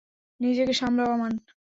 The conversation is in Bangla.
নিজেকে সামলাও আমান!